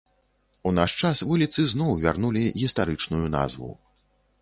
У наш час вуліцы зноў вярнулі гістарычную назву.